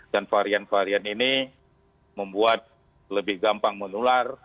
dan varian varian ini membuat lebih gampang menular